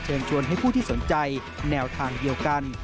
ชวนให้ผู้ที่สนใจแนวทางเดียวกัน